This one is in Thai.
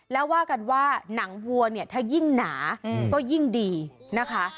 แล้วว่ากันว่าหนังวัวเนี่ยถ้ายิ่งหนาก็ยิ่งดีนะคะ